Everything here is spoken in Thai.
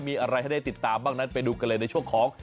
มีอะไรให้ได้ติดตามบ้างนั้นไปดูกันเลยในช่วงของ